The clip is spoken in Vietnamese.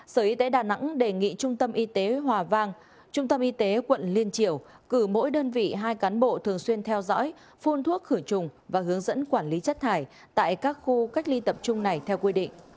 sở y tế đà nẵng đề nghị trung tâm y tế hòa vang trung tâm y tế quận liên triều cử mỗi đơn vị hai cán bộ thường xuyên theo dõi phun thuốc khử trùng và hướng dẫn quản lý chất thải tại các khu cách ly tập trung này theo quy định